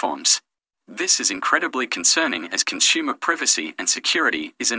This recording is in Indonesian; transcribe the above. ini sangat menarik karena privasi dan keamanan konsumen adalah prioritas yang sangat penting